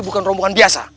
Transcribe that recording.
bukan rombongan biasa